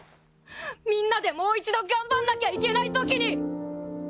みんなでもう一度頑張んなきゃいけないときに！